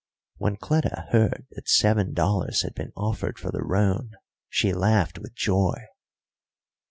When Cleta heard that seven dollars had been offered for the roan, she laughed with joy.